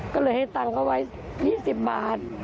ก็เลยให้ตังค์เขาไว้๒๐บาท